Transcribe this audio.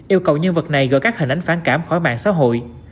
yêu cầu nhân vật này gỡ các hình ảnh phản cảm khỏi mạng xã hội